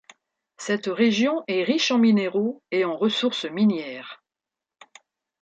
Cette région est riche en minéraux et en ressources minières.